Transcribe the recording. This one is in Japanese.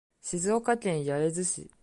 静岡県焼津市